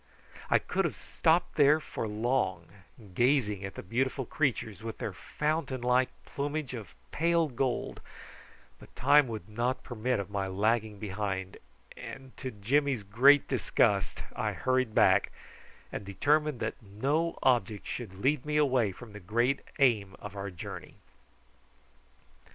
I could have stopped there for long, gazing at the beautiful creatures with their fountain like plumage of pale gold, but time would not permit of my lagging behind, and to Jimmy's great disgust I hurried back, and determined that no object should lead me away from the great aim of our journey.